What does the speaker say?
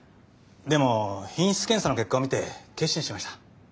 でも品質検査の結果を見て決心しました。